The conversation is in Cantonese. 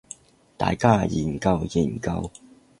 大家研究研究